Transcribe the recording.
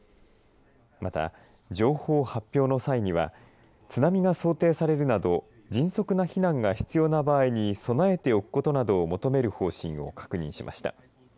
また、情報発表の際には津波が想定されるなど迅速な避難が必要な場合に備えておくことなどを求める方針を確認しました。